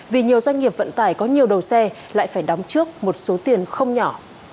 vì nhiều doanh nghiệp vận tải có nhiều đầu xe lại phải đóng trước một số tiền không nhỏ